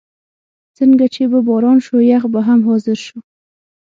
څنګه چې به باران شو، یخ به هم حاضر شو.